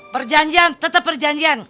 perjanjian tetep perjanjian